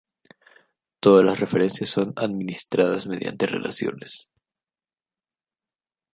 Todas las referencias son administradas mediante relaciones.